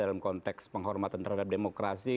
dalam konteks penghormatan terhadap demokrasi